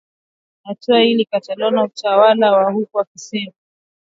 Hatua hii ilikataliwa na utawala wa sasa huku wakisema kwamba ni mbaya